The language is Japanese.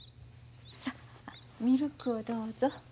さあミルクをどうぞ。